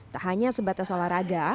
tak hanya sebatas olahraga